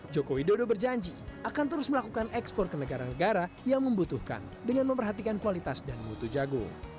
joko widodo berjanji akan terus melakukan ekspor ke negara negara yang membutuhkan dengan memperhatikan kualitas dan mutu jagung